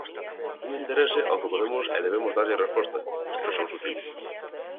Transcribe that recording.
Un interese ao que podemos e debemos darlle resposta, expresou Sutil.